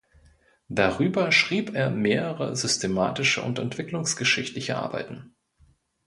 Darüber schrieb er mehrere systematische und entwicklungsgeschichtliche Arbeiten.